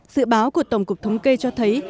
dự báo của tổng cục thống kê cho thấy